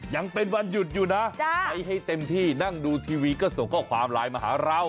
ยังเป็นวันหยุดอยู่นะไปให้เต็มที่นั่งดูทีวีก็ส่งข้อความไลน์มาหาเรา